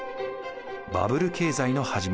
バブル経済の始まり。